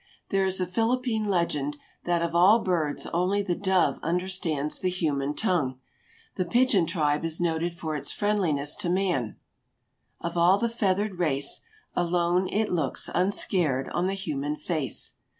There is a Philippine legend that of all birds only the dove understands the human tongue. The pigeon tribe is noted for its friendliness to man— "Of all the feathered race Alone it looks unscared on the human face."